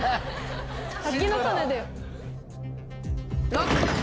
ＬＯＣＫ！